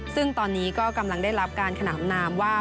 ซึ่งตอนนี้ก็กำลังได้รับการขนามนามว่า